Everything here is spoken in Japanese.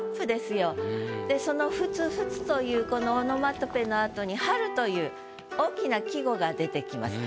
その「ふつふつ」というこのオノマトペのあとに「春」という大きな季語が出てきます。